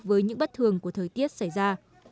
với những bất thường của thời tiết xảy ra